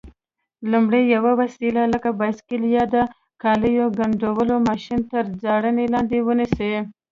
لومړی: یوه وسیله لکه بایسکل یا د کالیو ګنډلو ماشین تر څارنې لاندې ونیسئ.